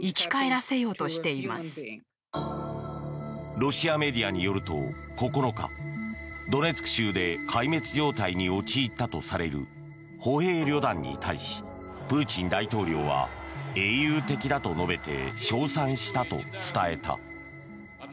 ロシアメディアによると９日、ドネツク州で壊滅状態に陥ったとされる歩兵旅団に対しプーチン大統領は英雄的だと述べて称賛したと伝えた。